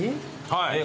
はい。